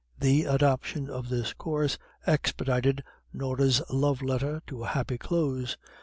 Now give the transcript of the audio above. The adoption of this course expedited Norah's love letter to a happy close.